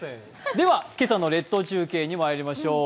では、今朝の列島中継にまいりましょう。